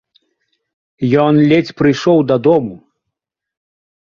Ён ледзь прыйшоў дадому.